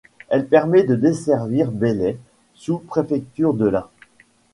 Elle permettait de desservir Belley, sous préfecture de l'Ain.